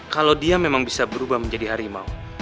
kalau dia memang bisa berubah menjadi harimau